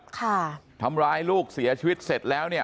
ค่ะทำร้ายลูกเสียชีวิตเสร็จแล้วเนี่ย